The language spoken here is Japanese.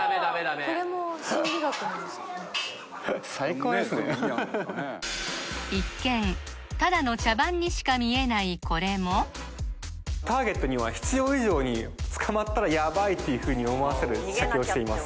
怖いよ一見ただの茶番にしか見えないこれもターゲットには必要以上に捕まったらやばいっていうふうに思わせる仕掛けをしています